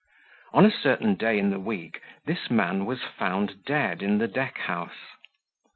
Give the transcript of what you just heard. On a certain day in the week this man was found dead in the deck house.